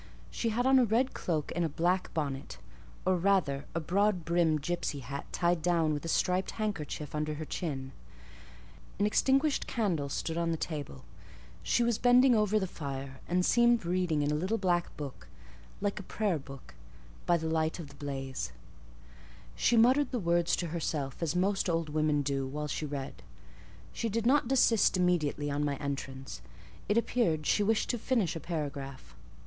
She had on a red cloak and a black bonnet: or rather, a broad brimmed gipsy hat, tied down with a striped handkerchief under her chin. An extinguished candle stood on the table; she was bending over the fire, and seemed reading in a little black book, like a prayer book, by the light of the blaze: she muttered the words to herself, as most old women do, while she read; she did not desist immediately on my entrance: it appeared she wished to finish a paragraph.